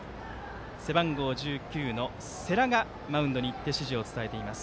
背番号１９の、世良がマウンドに行って指示を伝えています。